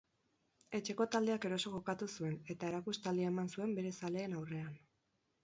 Etxeko taldeak eroso jokatu zuen, eta erakustaldia eman zuen bere zaleen aurrean.